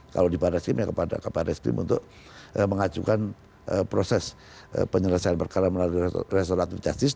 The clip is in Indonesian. kalau di barreskrim ya kepada barreskrim untuk mengajukan proses penyelesaian perkara melalui restoratif justice